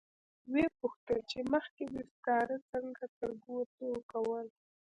و یې پوښتل چې مخکې دې سکاره څنګه ترګوتو کول.